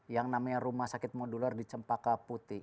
yang namanya rumah sakit modular di cempaka putih